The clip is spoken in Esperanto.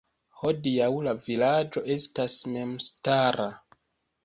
Hodiaŭ la vilaĝo estas memstara.